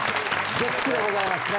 月９でございますね。